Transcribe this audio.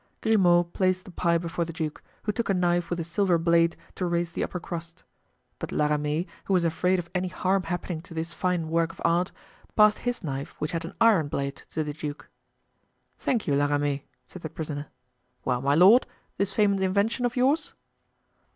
Grimaud placed the pie before the duke, who took a knife with a silver blade to raise the upper crust; but La Ramee, who was afraid of any harm happening to this fine work of art, passed his knife, which had an iron blade, to the duke. "Thank you, La Ramee," said the prisoner. "Well, my lord! this famous invention of yours?"